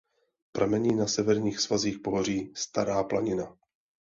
Pramení na severních svazích pohoří Stara planina.